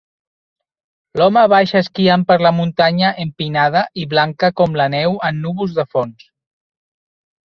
L'home baixa esquiant per la muntanya empinada i blanca com la neu amb núvols de fons.